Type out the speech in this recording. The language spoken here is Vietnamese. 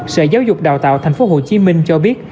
sở giáo dục đào tạo thành phố hồ chí minh cho biết